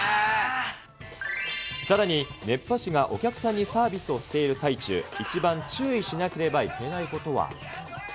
さらに熱波師がお客さんにサービスをしている最中、一番注意しなければいけないことは。